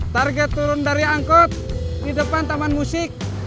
target turun dari angkot di depan taman musik